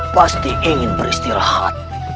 pasti ingin beristirahat